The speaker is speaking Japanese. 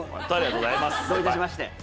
どういたしまして。